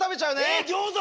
えっギョーザ